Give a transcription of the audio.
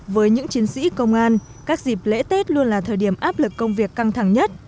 với những chiến sĩ công an các dịp lễ tết luôn là thời điểm áp lực công việc căng thẳng nhất